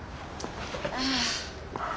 ああ。